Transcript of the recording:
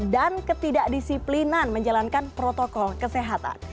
dan ketidakdisiplinan menjalankan protokol kesehatan